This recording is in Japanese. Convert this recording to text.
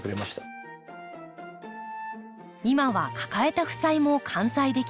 今は抱えた負債も完済できました。